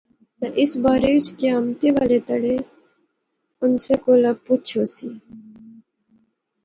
تہ اس بارے وچ قیامت والے تہاڑے آنسیں کولا پچھ ہوسی